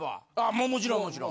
もちろんもちろん。